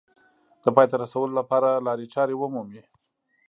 د پای ته رسولو لپاره لارې چارې ومومي